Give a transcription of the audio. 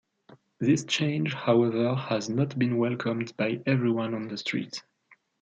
This change however has not been welcomed by everyone on the street.